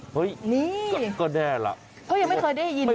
เฮ้ยก็แน่ละเค้ายังไม่เคยได้ยินนะ